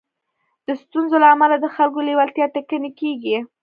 د ستونزو له امله د خلکو لېوالتيا ټکنۍ کېږي.